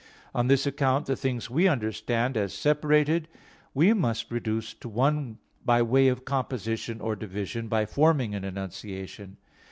On this account the things we understand as separated, we must reduce to one by way of composition or division, by forming an enunciation.